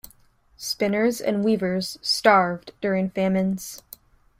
Spinners and weavers starved during famines.